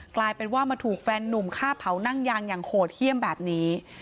กลายเป็นว่ามาถูกแฟนนุ่มฆ่าเผานั่งยางอย่างโหดเยี่ยมแบบนี้